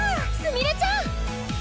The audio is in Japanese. すみれちゃん！